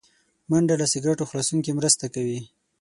منډه له سګرټو خلاصون کې مرسته کوي